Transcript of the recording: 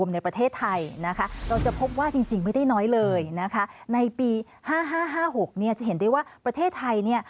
ในปี๕๕๕๖จะเห็นได้ว่าประเทศไทย